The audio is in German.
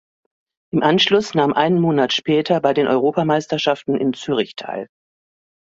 Im Anschluss nahm einen Monat später bei den Europameisterschaften in Zürich teil.